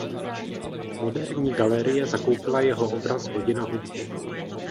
Moderní galerie zakoupila jeho obraz "Hodina hudby".